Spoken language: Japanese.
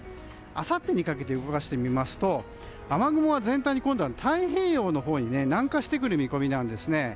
あさってにかけて動かしてみると雨雲は全体に太平洋のほうに南下してくる見込みなんですね。